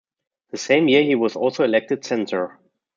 That same year he was also elected censor.